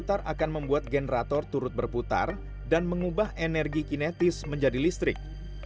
akan membuat generator turut berputar dan mengubah energi kinetis menjadi listrik